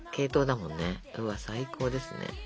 うわっ最高ですね。